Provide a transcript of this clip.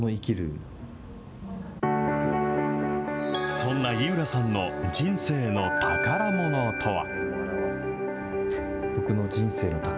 そんな井浦さんの人生の宝ものとは。